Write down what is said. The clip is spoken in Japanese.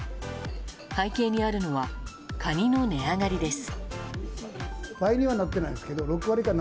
背景にあるのはカニの値上がりです。